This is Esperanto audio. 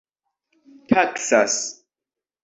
taksas